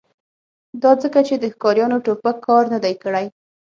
دا ځکه چې د ښکاریانو ټوپک کار نه دی کړی